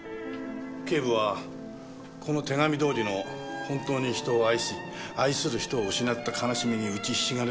警部はこの手紙どおりの本当に人を愛し愛する人を失った悲しみに打ちひしがれる男。